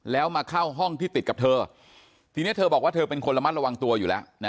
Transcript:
แล้วมาเข้าห้องที่ติดกับเธอทีนี้เธอบอกว่าเธอเป็นคนระมัดระวังตัวอยู่แล้วนะ